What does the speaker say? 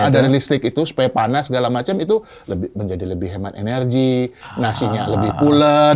dari listrik itu supaya panas segala macam itu menjadi lebih hemat energi nasinya lebih pulen